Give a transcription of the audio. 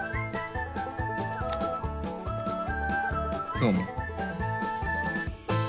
どうも。